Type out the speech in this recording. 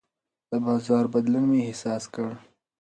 د بازار بدلون مې احساس کړ.